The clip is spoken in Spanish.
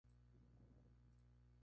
Es originario del Mediterráneo oriental.